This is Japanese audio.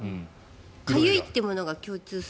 かゆいっていうのが共通する？